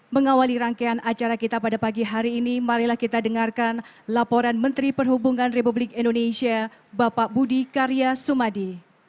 mengawali rangkaian acara kita pada pagi hari ini marilah kita dengarkan laporan menteri perhubungan republik indonesia bapak budi karya sumadi